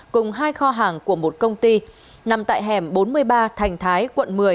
cùng hai kho hàng của một công ty nằm tại hẻm bốn mươi ba thành thái quận một mươi